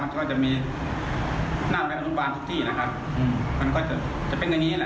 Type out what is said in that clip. เราก็เลยคิดโมโหไงทำไมเราต้องโดนคนเดียวอะไรอย่างงี้น่ะ